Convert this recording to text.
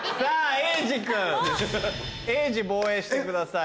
えいじ防衛してください。